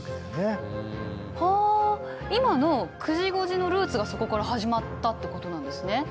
はあ今の９時５時のルーツがそこから始まったってことなんですね。